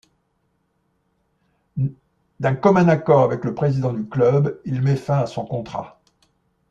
D'un commun accord avec le président du club, il met fin à son contrat.